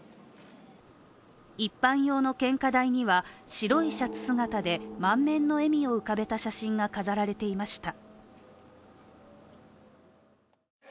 一般用の献花台には、白いシャツ姿で満面の笑みを浮かべた写真が飾られていました